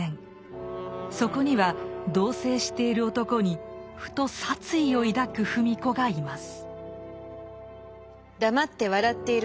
そこには同棲している男にふと殺意を抱く芙美子がいます。